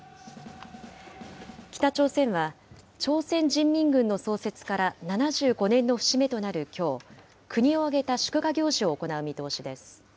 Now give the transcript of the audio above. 北朝鮮は、朝鮮人民軍の創設から７５年の節目となるきょう、国を挙げた祝賀行事を行う見通しです。